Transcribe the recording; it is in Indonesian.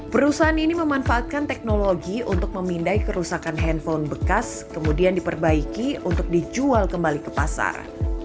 perusahaan ini memanfaatkan teknologi untuk memindai kerusakan handphone bekas kemudian diperbaiki untuk dijual kembali ke pasar